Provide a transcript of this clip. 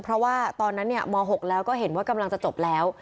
เพราะว่าตอนนั้นม๖แล้วก็เห็นว่ากำลังจะจบแล้ว